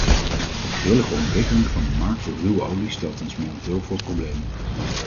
De grillige ontwikkeling van de markt voor ruwe olie stelt ons momenteel voor problemen.